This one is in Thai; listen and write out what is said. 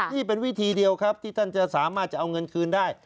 นี่เป็นวิธีเดียวครับที่ท่านจะสามารถจะเอาเงินคืนได้